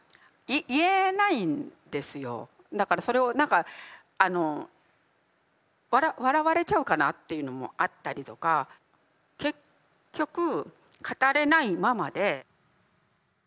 だからそれを何か笑われちゃうかなっていうのもあったりとか結局語れないままで。